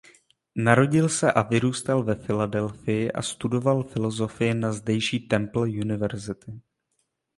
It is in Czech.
Narodil se a vyrůstal ve Filadelfii a studoval filozofii na zdejší Temple University.